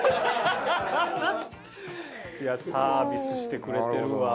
いやサービスしてくれてるわ。